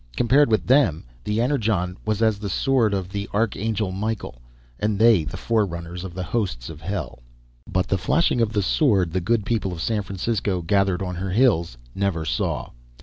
Compared with them, the Energon was as the sword of the arch angel Michael, and they the forerunners of the hosts of hell. But the flashing of the sword, the good people of San Francisco, gathered on her hills, never saw.